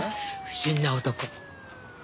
不審な男。